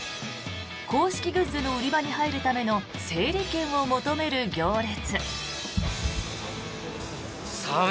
公式グッズの売り場に入るための整理券を求める行列。